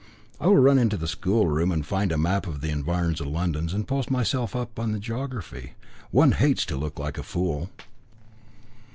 I will run into the schoolroom and find a map of the environs of London and post myself up in the geography. One hates to look like a fool."